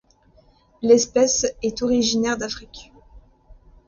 L'espèce est originaire d'Afrique.